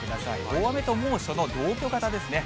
大雨と猛暑の同居型ですね。